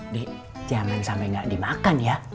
dek jangan sampe gak dimakan ya